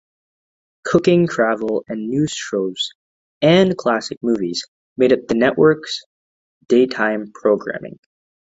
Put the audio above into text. Cooking, travel and news shows and classic movies made up the network's daytime programming.